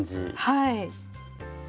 はい。